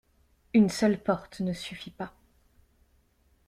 Une seule porte ne suffit pas.